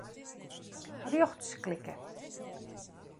Rjochts klikke.